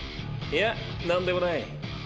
いやなんでもない。